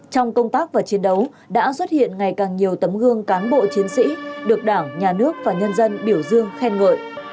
trong công tác và chiến đấu đã xuất hiện ngày càng nhiều tấm gương cán bộ chiến sĩ được đảng nhà nước và nhân dân biểu dương khen ngợi